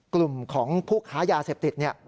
กลุ่มของผู้ค้ายาเสพติด